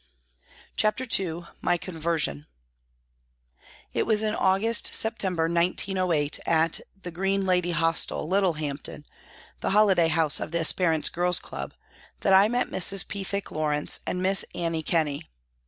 CHAPTER II MY CONVERSION IT was in August September, 1908, at " The Green Lady Hostel," Littlehampton, the holiday house of the Esperance Girls' Club, that I met Mrs. Pethick Lawrence and Miss Annie Kenney.